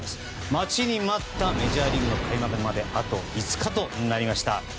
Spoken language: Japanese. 待ちに待ったメジャーリーグの開幕まであと５日となりました。